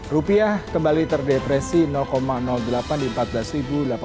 rupiah kembali terdepresi delapan di empat belas delapan ratus delapan puluh empat